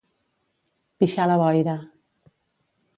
Pixar la boira.